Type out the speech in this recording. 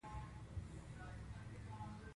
بادرنګ د وجود مصفا کوي.